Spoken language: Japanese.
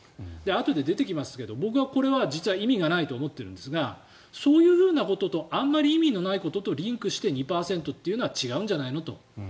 あとで出てきますけど僕はこれは実は意味がないと思っているんですがそういうこととあんまり意味のないこととリンクして２％というのは違うんじゃないのと。